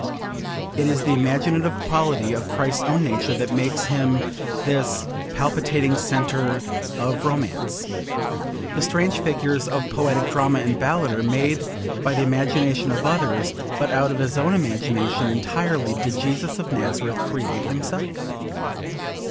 It is the imaginative quality of Christ's own nature that makes him this palpitating centre of romance. The strange figures of poetic drama and ballad are made by the imagination of others, but out of his own imagination entirely did Jesus of Nazareth create himself.